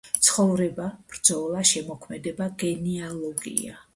ცხოვრება, ბრძოლა, შემოქმედება, გენეალოგია.